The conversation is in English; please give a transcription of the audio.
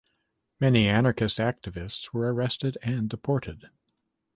Many anarchist activists were arrested and deported.